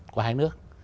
của hai nước